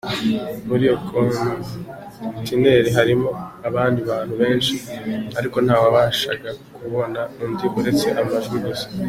Muri iyo konteneri harimo abandi bantu benshi ariko ntawabashaga kubona undi uretse amajwi gusa.